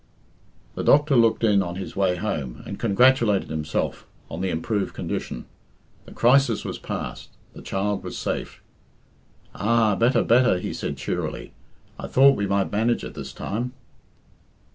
The doctor looked in on his way home, and congratulated himself on the improved condition. The crisis was passed, the child was safe. "Ah! better, better," he said cheerily. "I thought we might manage it this time."